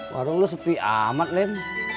warung lo sepi amat lem